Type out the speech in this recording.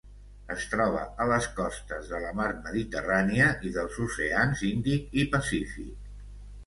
Es troba a les costes de la Mar Mediterrània i dels oceans Índic i Pacífic.